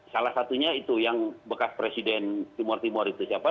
salah satunya itu yang bekas presiden timur timur itu siapa